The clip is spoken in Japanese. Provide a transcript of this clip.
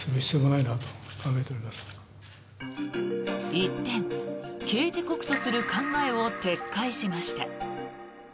一転、刑事告訴する考えを撤回しました。